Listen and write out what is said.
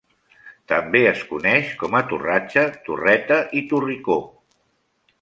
També es coneix com a torratxa, torreta i torricó.